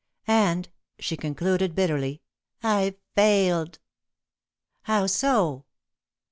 And," she concluded bitterly, "I've failed." "How so?"